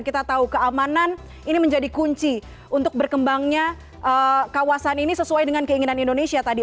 kita tahu keamanan ini menjadi kunci untuk berkembangnya kawasan ini sesuai dengan keinginan indonesia tadi